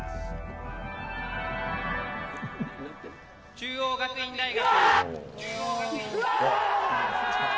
中央学院大学。